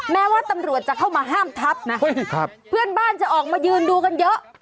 แม้ว่าตำรวจจะเข้ามาห้ามทับนะเพื่อนบ้านจะออกมายืนดูกันเยอะ